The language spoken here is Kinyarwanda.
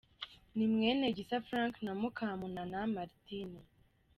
Ni mwene Gisa Frank na Mukamunana Martine.